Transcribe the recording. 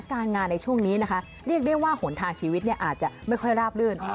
การงานในช่วงนี้นะคะเรียกได้ว่าหนทางชีวิตเนี่ยอาจจะไม่ค่อยราบลื่น